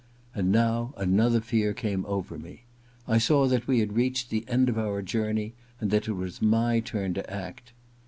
And now another fear came over me. I saw that we had reached the end of our journey, and that it was my turn to act.